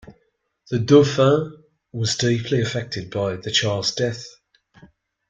The Dauphin was deeply affected by the child's death.